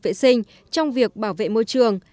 vệ sinh trong việc bảo vệ môi trường